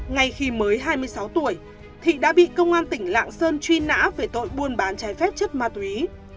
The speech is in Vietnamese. ngay khi mới hai mươi sáu tuổi thị đã bị công an tỉnh lạng sơn truy nã về tội buôn bán trái phép chất ma túy